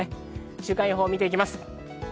週間予報を見ていきます。